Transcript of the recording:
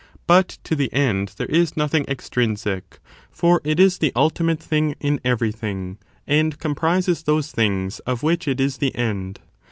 But to the end there is nothing extrinsic ; for it is the ultimate thing in everything, and comprises those things of which it is the end.